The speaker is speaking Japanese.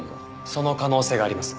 その可能性があります。